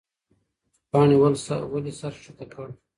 پاڼې ولې سر ښکته کړ؟